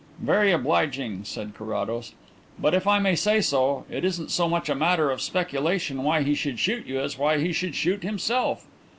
"Very obliging," said Carrados. "But, if I may say so, it isn't so much a matter of speculation why he should shoot you as why he should shoot himself."